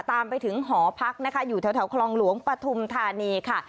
ตามไปถึงหอพักนะคะอยู่แถวคลองหลวงปฐุมธานีค่ะ